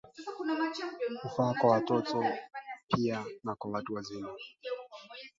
Mnyama kujaribu kutoa sauti bila mafanikio